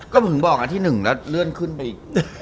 ก็ผมบอกอันที่๑แล้วเลื่อนขึ้นไปอีก